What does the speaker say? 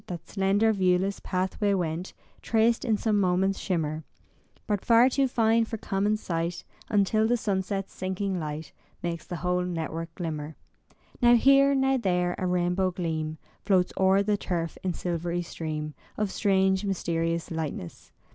That slender, viewless pathway went, Traced in some moment's shimmer; But far too fine for common sight Until the sunset's sinking light Makes the whole network glimmer. Now here, now there, a rainbow gleam Floats o'er the turf in silvery stream Of strange mysterious lightness.